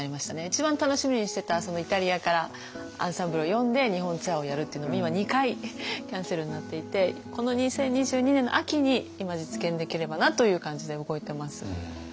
一番楽しみにしてたイタリアからアンサンブルを呼んで日本ツアーをやるっていうのも今２回キャンセルになっていてこの２０２２年の秋に今実現できればなという感じで動いてます。